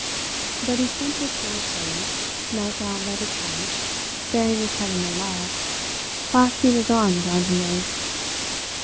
But he stumbled towards her, knelt down by the couch, burying his head in her lap, clasping his arms round her waist.